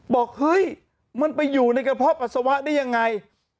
บอกเฮ้ยมันไปอยู่ในกระเพาะปัสสาวะได้ยังไง